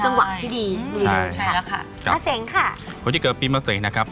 จนหวังที่ดีอืมใช่แล้วค่ะครับมาเศร้งค่ะคนที่เกิดปีมาเศร้งนะครับ